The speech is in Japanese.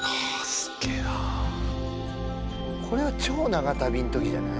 すっげえなこれは超長旅の時じゃない？